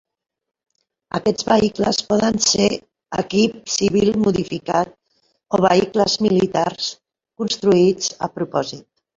Aquests vehicles poden ser equip civil modificat o vehicles militars construïts a propòsit.